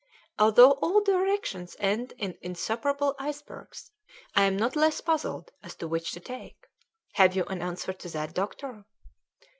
Although all directions end in insuperable icebergs, I am not less puzzled as to which to take. Have you an answer to that, doctor?"